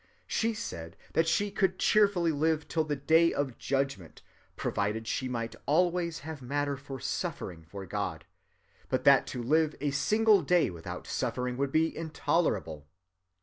She said that she could cheerfully live till the day of judgment, provided she might always have matter for suffering for God; but that to live a single day without suffering would be intolerable.